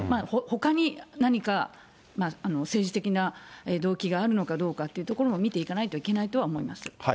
ほかに何か、政治的な動機があるのかどうかというところも見ていかないといけないとは思います。